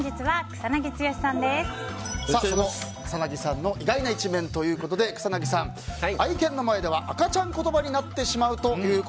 草なぎさんの意外な一面ということで草なぎさん、愛犬の前では赤ちゃん言葉になってしまうと。